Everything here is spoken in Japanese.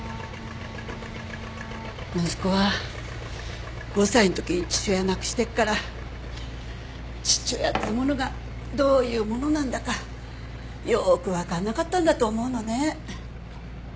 息子は５歳の時に父親亡くしてるから父親っつうものがどういうものなんだかよくわかんなかったんだと思うのね。